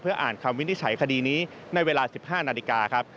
อ่านคำวินิจฉัยคดีนี้ในเวลา๑๕นาฬิกาครับ